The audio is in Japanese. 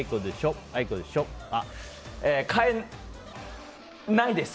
変えないです。